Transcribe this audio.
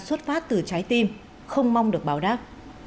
xuất phát từ trái tim không mong được báo đáp